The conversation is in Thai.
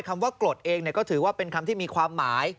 คำว่ากรดเองก็ถือว่าเป็นคำที่มีความหมาย